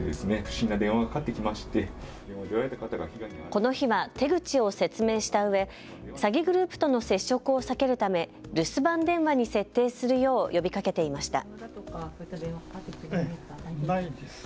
この日は手口を説明したうえ詐欺グループとの接触を避けるため留守番電話に設定するよう呼びかけていました。